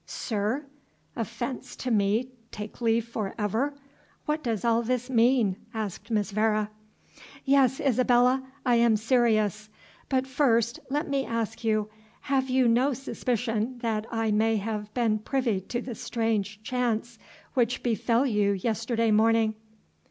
"Sir? Offence to me take leave for ever? What does all this mean?" said Miss Vere. "Yes, Isabella, I am serious. But first let me ask you, have you no suspicion that I may have been privy to the strange chance which befell you yesterday morning?"